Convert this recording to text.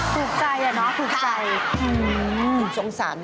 ถูกใจเหรอถูกใจค่ะอืมสงสารค่ะ